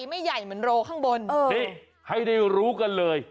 ไม่ใหญ่เหมือนโรข้างบนนี่ให้ได้รู้กันเลย